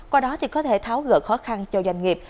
qua đó thì có thể tháo gỡ khó khăn cho doanh nghiệp